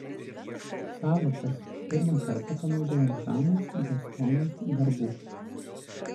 Sąvokas pirmą kartą panaudojo Žanas Gastonas Darbu.